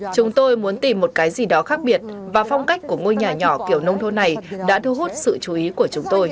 chúng tôi muốn tìm một cái gì đó khác biệt và phong cách của ngôi nhà nhỏ kiểu nông thôn này đã thu hút sự chú ý của chúng tôi